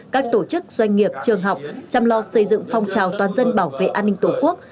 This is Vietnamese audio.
các tổ chức doanh nghiệp trường học chăm lo xây dựng phong trào toàn dân bảo vệ an ninh tổ quốc